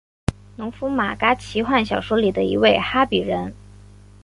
农夫马嘎奇幻小说里的一位哈比人。